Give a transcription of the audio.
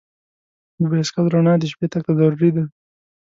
د بایسکل رڼا د شپې تګ ته ضروري ده.